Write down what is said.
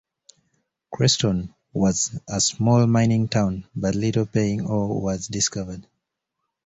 Crestone was a small mining town, but little paying ore was discovered.